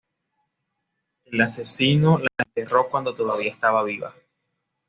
El asesino la enterró cuando todavía estaba viva.